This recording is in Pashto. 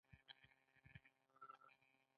د فلو سايټومېټري حجرو ډول ښيي.